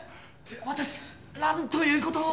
私なんという事を！